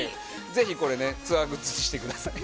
ぜひこれね、ツアーグッズにしてください。